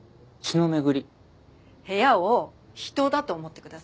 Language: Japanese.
部屋を人だと思ってください。